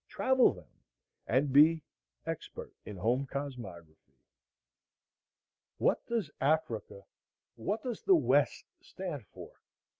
Travel them, and be Expert in home cosmography." What does Africa,—what does the West stand for?